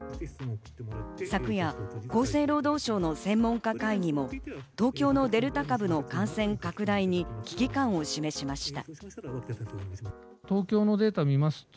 昨夜、厚生労働省の専門家会議も東京のデルタ株の感染拡大に危機感を示しました。